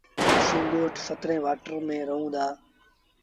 اسيٚݩ ڳوٺ سترين وآٽر ميݩ رهوݩ دآ